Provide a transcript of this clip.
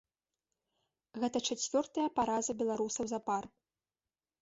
Гэта чацвёртая параза беларусаў запар.